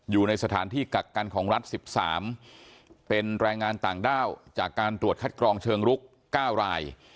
อยู่ในสถานที่กักกันของรัฐ๑๓เป็นแรงงานต่างด้าวจากการตรวจคัดกรองเชิงลุก๙ราย